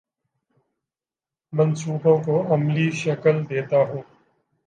منصوبوں کو عملی شکل دیتا ہوں